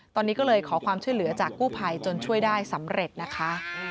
ตอนนี้ก็เลยขอความช่วยเหลือจากกู้ภัยจนช่วยได้สำเร็จนะคะ